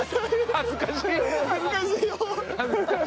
恥ずかしいよ！